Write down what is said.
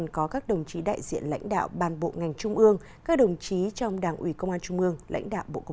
các đồng chí trong đảng ủy công an trung mương lãnh đạo bộ công an